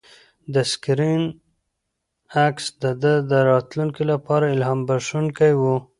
د سکرین عکس د ده د راتلونکي لپاره الهام بښونکی و.